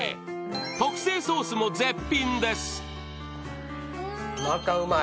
特製ソースも絶品です。